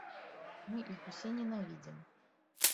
Мы іх усе ненавідзім.